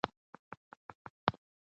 په مینه یې جوړ کړئ.